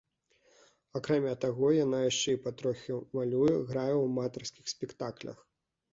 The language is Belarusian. Акрамя таго, яна яшчэ і патроху малюе, грае ў аматарскіх спектаклях.